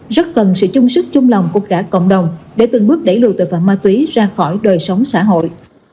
rất cần sự chung sức chung lòng của cả cộng đồng để từng bước đẩy lùi tội phạm ma túy ra khỏi đời sống xã hội